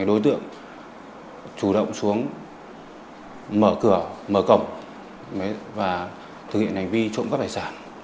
đối tượng chủ động xuống mở cửa mở cổng và thực hiện hành vi trộm cắp tài sản